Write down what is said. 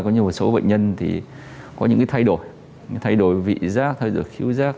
có nhiều bệnh nhân có những thay đổi thay đổi vị giác thay đổi khíu giác